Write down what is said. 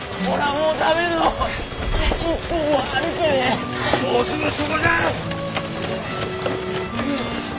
もうすぐそこじゃん！